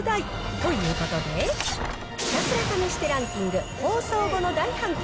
ということで、ひたすら試してランキング放送後の大反響